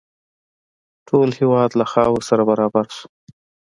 ټول هېواد له خاورو سره برابر شو.